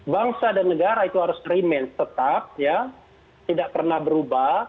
bangsa dan negara itu harus rematch tetap tidak pernah berubah